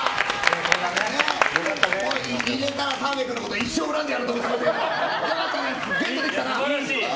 入れたら、澤部君のこと一生恨んでやると思ってたけどできたな！